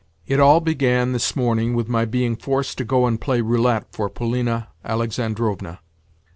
It all began, this morning, with my being forced to go and play roulette for Polina Alexandrovna.